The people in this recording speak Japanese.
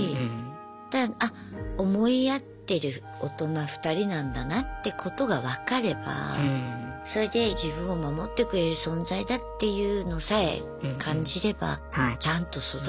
だからあ思い合ってる大人２人なんだなってことが分かればそれで自分を守ってくれる存在だっていうのさえ感じればちゃんと育つ。